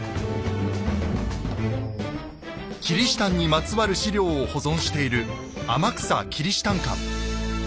キリシタンにまつわる史料を保存している天草キリシタン館。